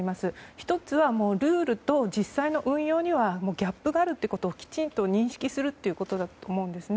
１つは、ルールと実際の運用にはギャップがあるということをきちんと認識するということだと思うんですね。